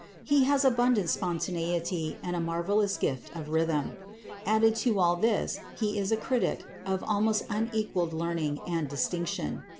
He has abundant spontaneity and a marvellous gift of rhythm. Added to all this, he is a critic of almost unequalled learning and distinction.